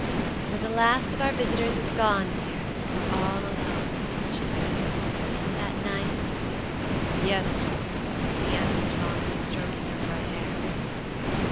"So the last of our visitors is gone, dear, and we're all alone," she said. "Isn't that nice?" "Yes, darling," he answered fondly, stroking her bright hair.